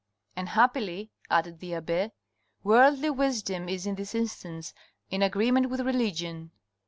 "And happily," added the abbe, "worldly wisdom is in this instance in agreement with religion.